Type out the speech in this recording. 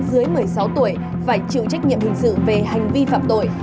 dưới một mươi sáu tuổi phải chịu trách nhiệm hình sự về hành vi phạm tội